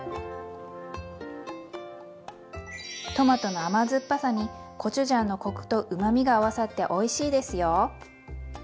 トマトの甘酸っぱさにコチュジャンのコクとうまみが合わさっておいしいですよ。